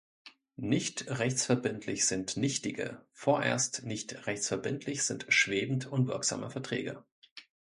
Nicht rechtsverbindlich sind nichtige, vorerst nicht rechtsverbindlich sind schwebend unwirksame Verträge.